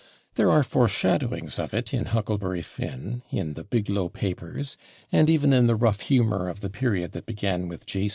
There are foreshadowings of it in "Huckleberry Finn," in "The Biglow Papers" and even in the rough humor of the period that began with J.